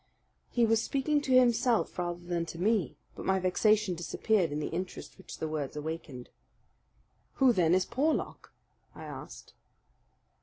He was speaking to himself rather than to me; but my vexation disappeared in the interest which the words awakened. "Who then is Porlock?" I asked.